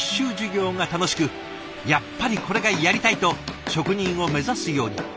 やっぱりこれがやりたいと職人を目指すように。